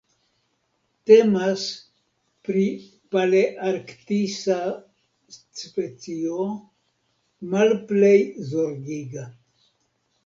Temas pri palearktisa specio Malplej Zorgiga.